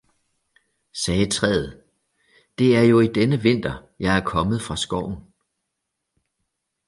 sagde træet, det er jo i denne vinter, jeg er kommet fra skoven!